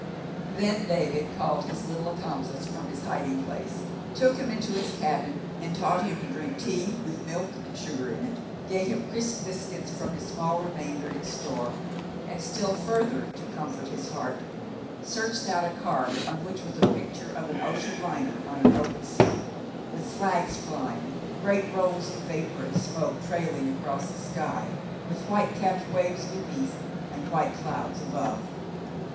Then David called his little accomplice from his hiding place, took him into his cabin, and taught him to drink tea with milk and sugar in it, gave him crisp biscuits from his small remainder in store, and, still further to comfort 64 The Mountain Girl his heart, searched out a card on which was a picture of an ocean Hner on an open sea, with flags flying, great rolls of vapor and smoke trailing across the sky, with white capped waves beneath and white clouds above.